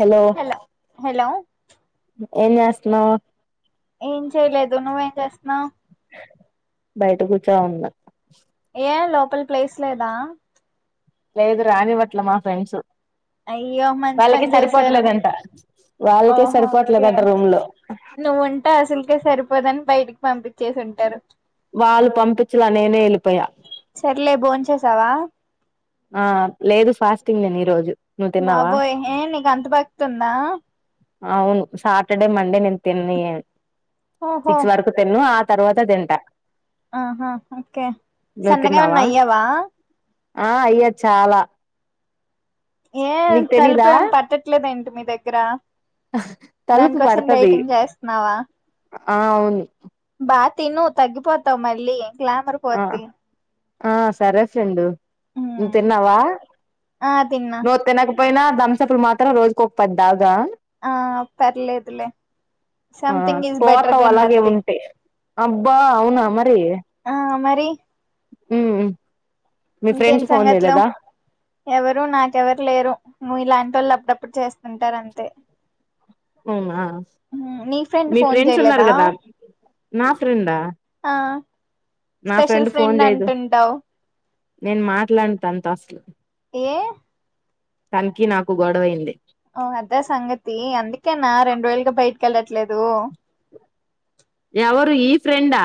Hello ఎం చేస్తున్నావ్ ఏం చేయలేదు నువ్వేం చేస్తున్నావ్ బయట కూర్చో ఉన్నా ఏ లోపల ప్లేస్ లేదా లేదు రానివట్ల మా ఫ్రెండ్స్ అయ్యో మంచి వాళ్ళకి పని చేసారు సరిపోట్లేదంట వాళ్ళకే ఓహో సరిపోట్లేదంట రూమ్ లో టే అసలకే సరిపోదని బయటికి పంపి చేసింటారు వాళ్ళు పంపించలా నేనే వెళ్ళపోయా సర్లే బోన్ చేసావా ఆ లేదు ఫాస్టింగ్ నేను ఈ రోజు నువ్వు తిన్నావా బాబోయ్ ఏ నీకు అంత భక్తుల అవును సాటర్డే మండే నేను తిన్ను ఏమి ఓహో సిక్స్ వరకు తిన్ను ఆ తర్వాత తింట ఆహా ఓకే నువ్వు సన్నగా తిన్నావా ఏమన్నా అయ్యావా ఆ అయ్యా చాలా ఏం నీకు తలుపు తెలీదా ఏం పట్టట్లేదు అంట మీ దగ్గర తలుపు దానికోసం పడతది డైటింగ్ చేస్తున్నావా ఆ అవును బాగా తిను తగ్గిపోతావు మళ్ళీ గ్లామర్ ఆ పోద్ది ఆ సరే ఫ్రెండు నువ్వు ఉమ్. తన్నావా ఆ తిన్నా నువ్వు తనక పోయినా తంసపులు మాత్రం రోజుకి ఒక పది దాగుదా ఆ పర్లేదులే ఆ సంథింగ్ ఈజ్ బెటర్ పోతవ్ దెన్ అలాగే నథింగ్ ఉంటే అబ్బా అవునా మరి ఆ మరి ఉమ్ మీ ఇంకేం ఫ్రెండ్స్ ఫోన్ సంగతులు చేయలేదా ఎవరు నాకెవరు లేరు మీలాంటి వాళ్ళు ఉన్నప్పుడు చేస్తుంటారంతే అవునా నీ ఫ్రెండ్ మీ ఫోన్ ఫ్రెండ్స్ ఉన్నారు చేయలేదా కదా నా ఫ్రెండా ఆ నా ఫ్రెండ్ స్పెషల్ ఫోన్ చేయదు అంటుంటావు నేను మాట్లాడను తనతో అసలు ఏ తనకీ నాకు గొడవైంది ఓ అదా సంగతి అందుకేనా రెండు రోజలుగా బయటికెళ్ళట్లేదు ఎవరు ఈ ఫ్రెండా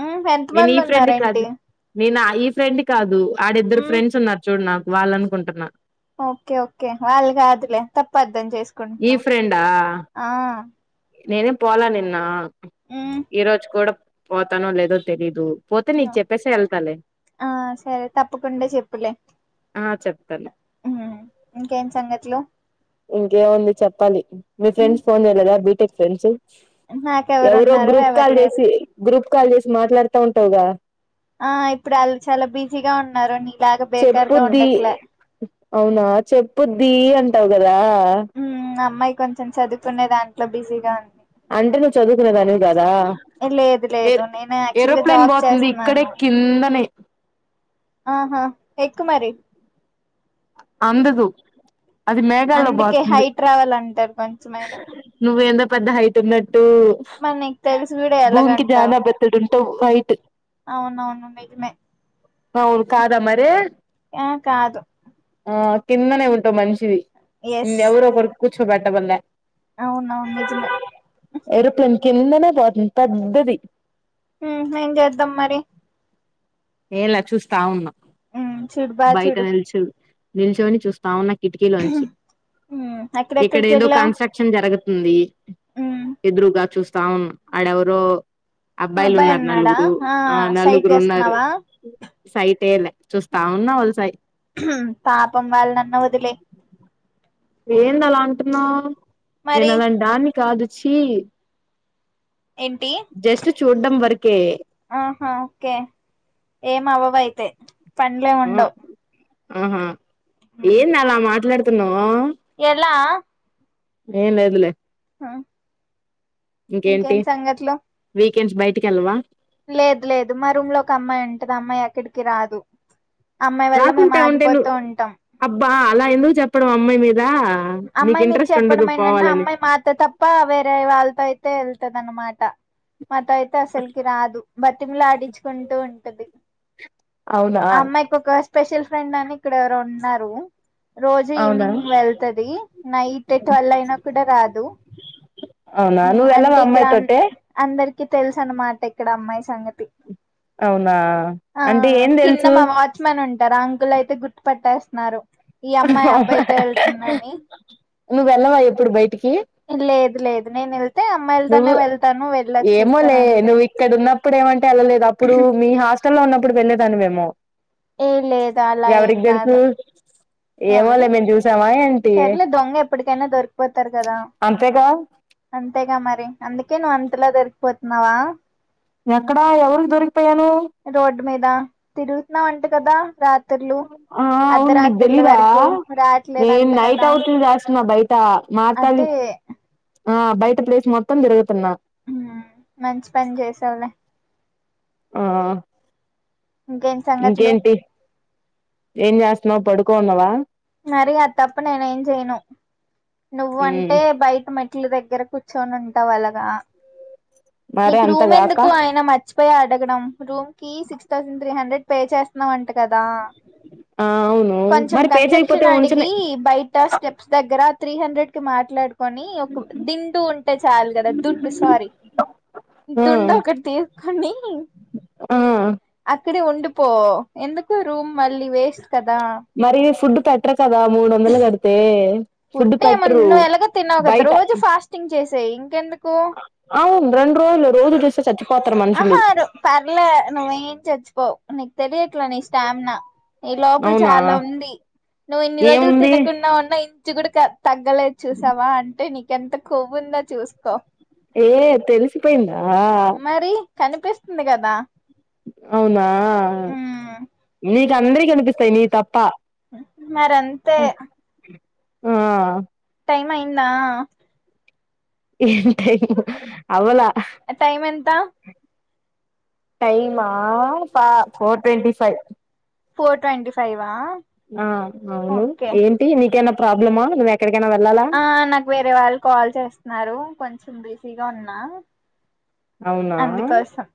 మ్మ్ ఎంత నేను మంది ఈ ఫ్రెండ్ ఉన్నారేంటి కాదు నేను ఈ ఫ్రెండ్ కాదు ఆడిద్దరు మ్మ్ ఫ్రెండ్స్ ఉన్నారు చూడు నాకు వాళ్ళు అనుకుంటున్నా ఓకే ఓకే వాళ్ళు కాదులే తప్పర్ధం ఈ చేసుకుంటున్నావ్ ఫ్రెండా ఆ నేనే పోలే నిన్న మ్మ్ ఈరోజు కూడా పోతానో లేదో తెలీదు పోతే నీకు చెప్పేసి వెళ్తాలే ఆ సరే తప్పకుండా చెప్పులే ఆ చెప్తాను ఉ ఇంకేం సంగతులు ఇంకేముంది చెప్పాలి మీ ఫ్రెండ్స్ ఫోన్ చేయలేదా బీటెక్ ఫ్రెండ్స్ ఎవరో నాకెవరున్నారు గ్రూప్ ఎవరు కాల్ లేరు చేసి గ్రూప్ కాల్ చేసి మాట్లాడుతా ఉంటావుగా ఆ ఇప్పుడు వాళ్ళు చాలా బిజీగా ఉన్నారు నీలాగా బేకార్గా చెప్పుద్ది ఉండట్లే అవునా చెప్పుద్ది అంటావు కదా హ్మ్ అమ్మాయి కొంచెం చదువుకునే దాంట్లో బిజీగా ఉంది అంటే నువ్వు చదువుకునేదానివి కదా లేదు ఏ లేదు నేను యాక్చువల్ గా ఏరోప్లేన్ జాబ్ బోతుంది ఇక్కడే చేస్తున్నాను కిందనే ఆహా ఎక్కు మరి అందదు అది మేఘాలో అందుకే బోతుంది హైట్ రావాలంటారు కొంచెమైనా నువ్వేందో పెద్ద హైట్ ఉన్నట్టు మరి నీకు తెలిసి కూడా భూమికి ఎలాగంటావు జానా బెత్తెడు ఉంటవ్ హైయిట్ అవునవును నిజమే అవును కాదా మరి ఆ కాదు ఆ కిందనే ఉంటవు మనిషివి ఎస్ ఎవరో ఒకర్ కూచోబెట్టమన్లే అవునవును నిజమే ఏరోప్లేన్ కిందనే పోతుంది పెద్దది ఉ ఏం చేద్దాం మరి అలా చూస్తా ఉన్నా ఉమ్ చూడు బా బయట చూడు నిలిచు నిలిచొని చూస్తావున్నా ఉన్న కిటికీలోంచి ఉమ్ ఇక్కడ ఎక్కడెక్కడికి ఏదో వెళ్ళావు కన్స్ట్రక్షన్ జరుగుతుంది ఉమ్ ఎదురుగా చూస్తావున్న ఆడెవరో అబ్బాయిలు అబ్బాయి ఉన్నారు ఉన్నాడా నలుగురు ఆ సైట్ నలుగురు ఉన్నారు వేస్తున్నావా సైటేలే చూస్తా ఉన్నా వాలసై పాపం వాలనన్న వదిలేయ్ ఏంది అలా అంటున్నావ్ నేను మరి అలాన్టి దాన్ని కాదుచ్చి ఏంటి జస్ట్ చూడ్డం వరకే ఆహా ఓకే ఏం అవవయితే పండ్లే ఆ ఉండవు ఆహా ఉమ్ ఏంది అలా మాట్లాడుతున్నావు ఎలా ఏమ్లేదులే ఆ ఇంకెంటి సంగతులు వీకెండ్స్ బయటికి వెల్లవ లేదు లేదు మా రూమ్లో ఒక అమ్మాయి ఉంటది ఆ అమ్మాయి ఎక్కడికి రాదు అమ్మాయి వల్ల మేము రాకుంటే ఉంటే ను ఆగిపోతూ ఉంటమ్ అబ్బా అలా ఎందుకు చెప్పడం అమ్మాయి మీద నీకు అమ్మాయి మీద ఇంట్రెస్ట్ ఉండదు చెప్పడం ఏంటంటే పోవాలని అమ్మాయిమాతో తప్ప తప్ప వేరే వాళ్ళతో అయితే వెళ్తది అనమాట మాతో అయితే అసలకి రాదు బతిమిలాడిచుకుంటూ ఉంటది అవునా ఆ అమ్మాయికి ఒక స్పెషల్ ఫ్రెండ్ అని ఇక్కడ ఎవరో ఉన్నారు రోజు అవునా ఈవినింగ్ వెళ్తది నైట్ ట్వెల్వ్ అయినా కూడా రాదు అవునా ఆ నువ్వు వెళ్ళవా అంటే ఆ ఇక్కడ అమ్మాయితోటీ అందరికి తెలుసు అన్నమాట ఇక్కడ అమ్మాయి సంగతి అవునా ఆ అంటే ఏం కింద తెలుసు మా వాచ్ వాచ్మెన్ అంకుల్ ఉంటారు ఆ అంకులు అయితే గుర్తు పట్టేస్తున్నారు ఈ అమ్మాయి అబ్బాయితో వెళ్తుందని నువ్వు వెళ్ళవా ఎప్పుడు బయటికి లేదు లేదు నేను నువ్వు అమ్మాయిలతోనే వెళ్తాను వెళ్ళొచ్చేస్తాను ఏమోలే అంతే నువ్వు ఇక్కడ ఉన్నప్పుడు ఏమంటే వెళ్ళలేదు అప్పుడు మీ హాస్ ష్టలో ఉన్నప్పుడు వెళ్లే దానివి ఏమో ఏ లేదు అలా ఏం కాదు ఏమోలే ఎవరి మేము చూసామా ఏంటి సర్లే దొంగ ఎప్పటికైనా దొరికిపోతారు కదా అంతేగా అంతేగా మరి అందుకే నువ్వు అంతల దొరికిపోతున్నావా ఎక్కడా ఎవరికి దొరికిపోయాను రోడ్డు మీద తిరుగుతున్నావంట అంట కదా రాత్రులు ఆ అవును నీకు అర్ధరాత్రుల తెలీదా వరకు నేను రావట్లేదంట నైట్ కదా అవుట్లు చేస్తున్నా బయట మార్తాలి అదే ఆ బయట ప్లేస్ మొత్తం తిరుగుతున్నా అవునా మంచి పని చేసావులే ఆ ఇంకేం సంగతులు ఇంకేంటి ఏం చేస్తున్నావు పడుకోన్ని ఉన్నావా మరి అ తప్ప నేను ఏం చెయను నువ్వ ఉమ్ అంటే బయట మెట్టు దగ్గర కూర్చొని ఉంటావు అలాగా మరి నీకు రూమ్ అంతగాక ఎందుకు ఆయన మర్చిపోయా అడగడం రూమ్కి six thousand three hundred pay చేస్తున్నావంట కదా ఆ అవును మరి పేజెయక్ క్షన్ అడిగి బయట స్టెప్స్ దగ్గర త్రీ హండ్రెడ్కి మాట్లాడు కొని ఒక దిండు ఉంటే చాలు కదా దుండు సారీ ఆ దుండు ఒకటి తీస్కో ని ఆ అక్కడె ఉండిపో ఎందుకు రూమ్ మళ్ళీ వేస్ట్ కదా మరి ఫుడ్ పెట్టరు కదా మూడు వందలు కడితే ఫుడ్ ఏమన్నా నువ్వు ఎలాగ తిన్నవు కదా బయట రోజు ఫాస్టింగ్ చేసేయి ఇంకెందుకు అవును రెండు రోజులే రోజు చూస్తే చచ్చిపోతారు మనుషులు ఆహా పర్లే నువ్వేం చచ్చిపోవు నీకు తెలియట్లా నీ స్టామిన ఈ లోపల అవునా చాలా ఉంది నువ్వు ఇన్ని రోజులు ఏముంది తినకుండా ఉన్నా ఇంచు కూడా క తగ్గలేదు చూసావ అంటే నీకెంత కొవ్వు ఉందో చూసుకో ఏ తెలిసిపోయిందా మరి కనిపిస్తుంది కదా అవునా మ్మ్ నీకు అందరి కనిపిస్తాయి నీ తప్ప మరింతే ఆ టైమ్ అయింద ఏ టైము అవల టైం ఎంత టైమా పా four twenty five four twenty ఫైవా ఆ అవును ఓకే ఏంటి నీకైన ప్రాబ్లమా నువ్వు ఎక్కడికైనా వెళ్ళాల ఆ నాకు వేరే వాళ్ళు కాల్ చేస్తున్నారు కొంచెం బిజీగా ఉన్నా అవునా అందుకోసం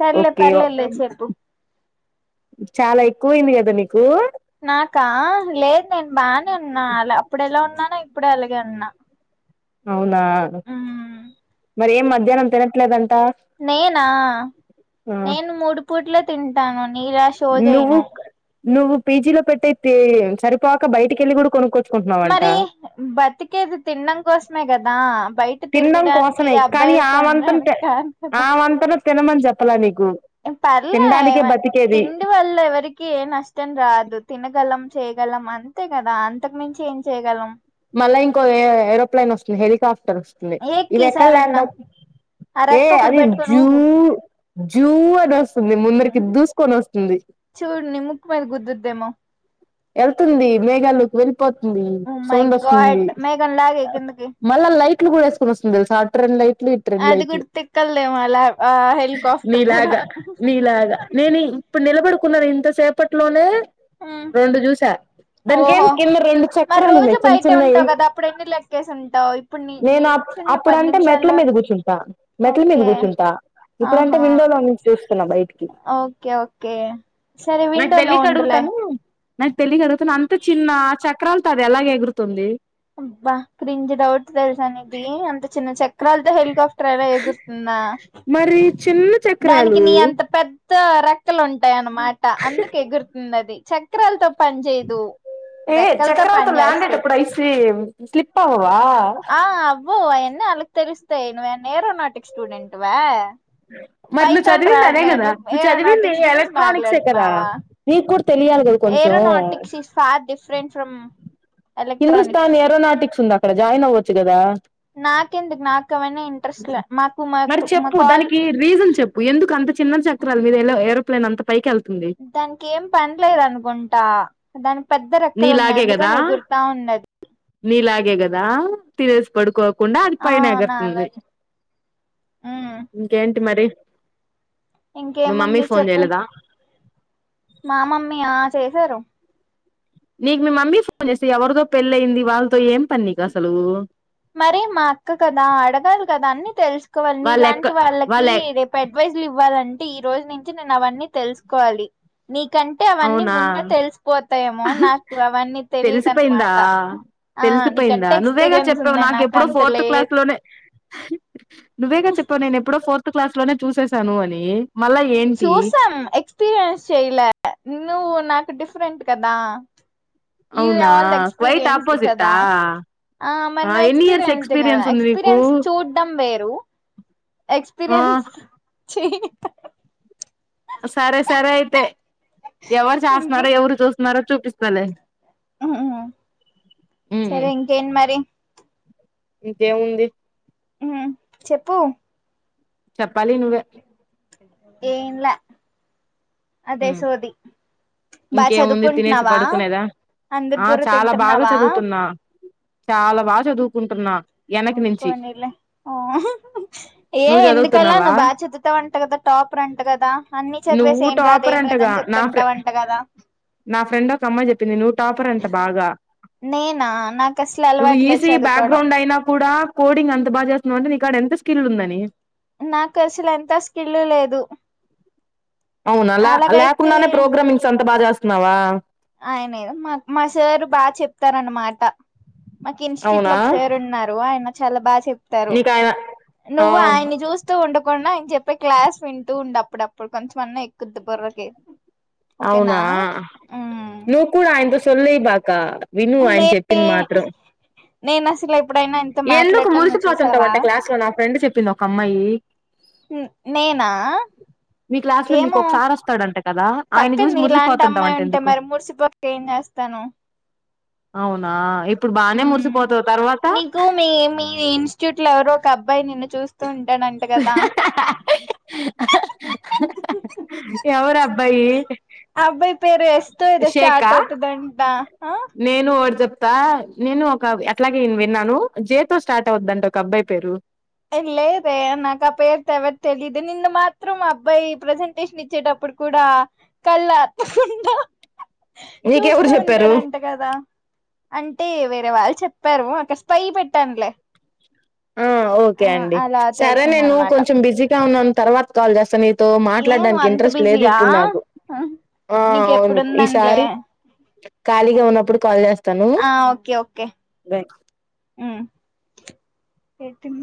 సర్లే ఓకే పర్లేదులే చెప్పు చాలా ఎక్కువయింది కదా నీకు నాకా లేదు నేను బాగానే ఉన్నా అలా అప్పుడు ఎలా ఉన్నానో ఇప్పుడు అలాగే ఉన్న అవునా మరి ఏం మధ్యనం తినట్లేదంటా నేనా నేను మూడు పూట్లో తింటాను [unintelligible] నువ్వు చేయను నువ్వు పీజీలో పెట్టే సరిపోక బయటికెళ్ళి కూడ కొనుక్కో మరి బతికేది తినడం కోసమే కదా బై తినడం కోసమే కానీ ఆ వంతన కాదు కదా ఆ వంతన తినమని చెప్పలే నీకు పర్లే తినడానికే బతికేది తిండి వల్ల ఎవరికి ఏ నష్ తినగలం చేయగలం అంతే కదా అంతకుమించ ఏం చేయగలం మళ ఇంకో ఏరోప్లలేైన్ వస్తుంది హెలికాప్టర్ ఏక్కి ఇవి ఎక్కడ ఈసారన్నా ల్యాండ్ ఆ ఏ రెక్క ఒకటి అది పెట్టుకొని ఊగు [unintelligible] జూ అనివస్తుంది ముందరికి దూసుకొని వస్తుంది చూడు నీ ముక్ మీద గుద్దుద్దేమో వెళ్తుంది మేఘాలుకి వెళ్ళిపోతుంది ఓ మై సౌండ్ గాడ్ వస్తుంది మేఘం లాగే కిందకి మళ్ళా లైటులు వేసుకుని వస్తుంది తెలుసిా ట్రైన్ లైట్లు [unintelligible] అది లైట్లు కూడా తిక్కలదేమో అలా ఆ హెలికాప్టర్ కూడా నీలాగ నీలాగ [unintelligible] ఇప్పుడు నిలబడుకున్నారు ఇంత సేపట్లోనే రెండు చూస దానికి ఏం ఓహో కింద రెండు మరి చక్రాలు రోజు ఉన్నాయి చిన్న బయటే చిన్నవి ఉంటావు కదా అప్పుడు ఎన్ని లెక్కేసి ఉంటావు ఇప్పుడు నీ నేనుప్ నిల్చున్న అప్పుడ పది అంటే మెట్ల నిమిషాల్లో మీద కూర్చుంటా మెట్ల మీద ఓకే కూర్చుంటా ఇప్పుడటే విండోలో నుంచి చూస్తున్న బయటి ఒకే ఒకే సరే నాకు [unintelligible] తెలియక ఉండులే అడుగుతాను నాకు తెలియ అడుగుతున్నా అంత చిన్న చక్రాలు తది ఎలాగ ఎగురుతుంది అబ్బా క్రించం డౌట్ తెలుసాను ఇది అంత చిన్న చక్రాలతో హెలికాప్ [unintelligible] మరి చిన్న చె దానికి నీ అంత పెద్ద రెక్కలు ఉంటాయి అన్నమాట అందుకు ఎగురుతుంది అది చక్క [unintelligible] రాలతో పని చేయదు రెక్కలతో పని [unintelligible] ల్యాండ్ చేస్తది [unintelligible] ఐసి స్లిప్ అవవా వో అవన్న అళ్ళకు తెలుస్తాయివన్న ఏరోనాటిక్స్ స్టూడెంట్ వా మరి నువ్వు పైథాన్ చదివింది అద రాదు కదా గాని నువ్వు చదివింది ఏరోనాటిక్స్ గురించి ఎలక్ట్రానిక్సే కదా మాట్లాడుతున్నావా నీకు కూడ తెలియ [unintelligible] ఇది కొంచం aeronautics is far different from Hindustan electronics aeronautics ఉంది అక్కడ జాయిన్ అవ్వచ్చు కదా నాకెందుకు నాకు అవన్న ఇంట్రెస్ట్లే మాకు మరి మాకు చెప్పు మాకాల్ దానికి రీజన్ చెప్పు ఎందుకు అంత చిన్న చక్రాలు మీద ఎ ఏరోప్లేన్ అంత పైకి వెళ్తుంది దానికి ఏం పని లేదు అనుకుంటా దానికి పెద్ద రెక్కలు ఉన్నాయి నీలాగే కదా అందుకని ఎగురుతా ఉండది నీలాగే గదా తినేస్ పడుకో కుండా అది ఆ పైన ఎగురుతుంది నాలాగే ఉమ్ ఇంకేంటి మరి మీ మమ్మీ ఇంకేముంది ఫోన్ చెప్పు చేయలేదా మా మమ్మీ ఆ చేశారు నీకు మీ మమ్మీ ఫోన్ చేస్తే ఎవరితో పెళ్ళి అయింది వాళ్ళతో ఏం పని నీకు అసలు మరి మా అక్క కదా అడగాలి కదా అన్నీ తెలుసుకోవాలని నీ వాళ్ళు ఎక్క ఇలాంటి వాళ్ళకి వాళ్ళ రేపు అడ్వైజలు ఇవ్వాలంటే ఈ రోజు నుంచి నేను అవన్నీ తెలుసుకోవాలి నీకంటే అవన్నీ అవునా ముందే తెలిసిపోతాయమో నాకు అవన్నీ తెలీదన్నమాట తెల్సుపోయింద నువ్వేగా చెప్ప నాకు ఎప్పుడో అంత ఫోర్త్ క్లాస్ లేదు లోనే నువ్వేగా చెప్ప నేను ఎప్పుడో ఫోర్త్ క్లాస్ లోనే చూసేసాను అని మళ్ళా ఏంటి చూసాం ఎక్స్పీరియన్స్ చెయలే నువ్వు నాకు డిఫరెంట్ కదా యు అవునా ఆల్డ్ క్వైట్ ఎక్స్పీీరియన్స్డ్ ఆపోజిట్టా కదా ఆ మరి నువ్వు ఎన్ని ఇయర్స్ ఎక్స్పీరియన్స్ డ్ కదా ఉంది నీకు ఎక్స్పీరియన్స్ చూడ్డం వేరు ఆ ఎక్స్పీరియన్స్ చే సరే సరే అయితే ఎవరు ఇంకే చేస్తున్నారో ఎవరు చూస్తున్నారో చూపిస్తలే ఉమ్, ఉమ్, ఉమ్. సరే ఇంకేంటి మరి ఇంకేముంది ఉం చెప్పు చెప్పాలి నువ్వే ఏం లా అదే ఉమ్, సోది బా ఇంకేముంది తినేసి చదువుకుంటున్నావా పడుకునేదా అందరి ఆ బుర్ర చాలా బాగా తింటున్నావా చదువుతున్నా చాలా బాగా చదువుకుంటున్నా వెనకి ఉం నుంచి పోనీలే ఓ ఏ నువ్వు ఎందుకలా చదువుతున్నావా నువ్వు బాగా చదుతావంట కదా టాపర్ అంట కదా అన్ని నువ్వు చదివేసి ఏం రాదు టాపర్ ఏం రాదు అంటగా అని నా ఫ్రె చెప్తుంటావుంట కదా నా ఫ్రెండ్ ఒక అమ్మాయి చెప్పింది నువ్వు టాపర్ అంట బాగా నేనా నాకు అసలు నువ్వు అలవాట్లేదు ఈసీఈ చదువుకోవడం బ్యాక్గ్రౌండ్ అయినా కూడా కోడింగ్ అంత బాగా చేస్తున్నావు అంటే నీకాడ ఎంత స్కిల్ ఉందని నాకు అసలు ఎంత స్కిల్లు లేదు అవునా లా అలాగైతే లేకుండానే ప్రోగ్రామింగ్స్ అంత బాగా చేస్తున్నావా ఆయన మా మా సారు బాగా చెప్తార అన్నమాట మాకు ఇన్స్టిట్యుట్లో అవునా ఒకసారూ ఉన్నారు ఆయన చాలా బాగా చెప్తారు నీకు ఆయన ఆ నువ్వు ఆయన్ని చూస తు ఉండకుండా ఆయన చెప్పి క్లాస్ వింటూ ఉండే అప్పుడప్పుడు కొంచెంమన్నా ఎక్కుద్దు బుర్రకి ఓకేనా అవునా నువ్ కూడా ఆయన తో సోల్లు ఏయ బాక విను ఆయన నే చెప్పింది మాత్రం నేను అసలు ఎప్పుడైనా ఆయనతో ఎందుకు మాట్లాడటం నువ్వు చూసావా మురిసిపోతుంటావట క్లాస్ లో నా ఫ్రెండ్ చెప్పింది ఒక అమ్మాయి ఉం నేనా మీ క్లాస్ లో మీకు ఏమో ఒకసారి వస్తాడంట కదా ఆయన పక్కన చూసి నీలాంటి అమ్మాయి మురిసిపోతుంటవంట ఉంటే ఎందుకు మరి మురిసిపోక ఏం చేస్తాను అవునా ఇప్పుడు బానే మురిసిపోతవ్ తర్వాత నీకు మీ మీ ఇన్స్టిట్యూట్ లో ఎవరో ఒక అబ్బాయి నిన్ను చూస్తూ ఉంటాడంట కదా ఎవరబ్బాయి ఆ అబ్బాయి పేరు ఎస్ తో ఎదో స్టార్ట్ అవుతదంటా ఆ నేను ఓటీ చెప్తా నేను ఒక అట్లాగే విన్నాను జేతోో స్టార్ట్ అవుద్దంట ఒక అబ్బాయి పేరు లేదే నాకు ఆ పేరు తో ఎవరు తెలియదే నిన్ను మాత్రం ఆ అబ్బాయి ప్రజెంటేషన్ ఇచ్చేటప్పుడ్ కూడా కళ్ళర్పకుండా నీకెవరు చూస్తూ చెప్పారు ఉంటాడం ట కదా అంటే వేరే వాళ్ళు చెప్పారు అక్కడ స్పయ్ పెట్టనులే ఆ ఓకే అండి అలా సరే నేను తెలిసిందనమాట కొంచెం బిజీగా ఉన్నాను తర్వాత కాల్ చేస్తాను తో ఏ నువ్వు మాట్లాడడానికి అంత ఇంట్రెస్ట్ లేదు బిజీయా ఇప్పుడు నాకు ఆ అవును నీకెప్పుడుందంలే ఈసారి ఖాలిగా ఉన్నప్పుడు కాల్ చేస్ ఆ ఓకే ఓకే మ్